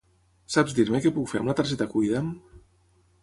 Saps dir-me què puc fer amb la targeta Cuida'm?